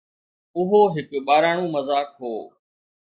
اهو هڪ ٻاراڻو مذاق هو